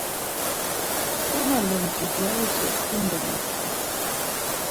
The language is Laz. Ç̌ume lumci gyarişa çkunda moxti.